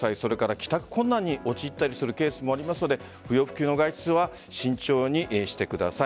帰宅困難に陥ったりするケースもありますので不要不急の外出は慎重にしてください。